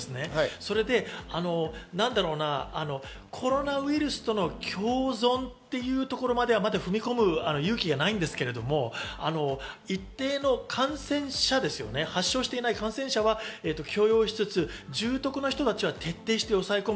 それでコロナウイルスとの共存っていうところまでは、まだ踏み込む勇気がないですけど、一定の感染者ですね、発症していない感染者は強要しつつ、重篤な人たちは徹底して抑え込む。